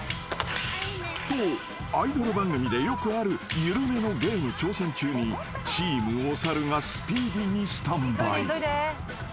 ［とアイドル番組でよくある緩めのゲーム挑戦中にチームお猿がスピーディーにスタンバイ］